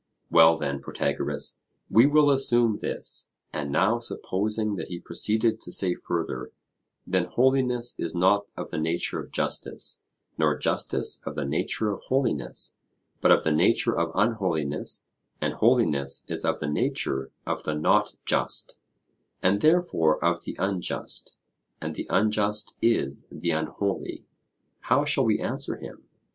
Well then, Protagoras, we will assume this; and now supposing that he proceeded to say further, 'Then holiness is not of the nature of justice, nor justice of the nature of holiness, but of the nature of unholiness; and holiness is of the nature of the not just, and therefore of the unjust, and the unjust is the unholy': how shall we answer him?